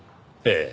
ええ。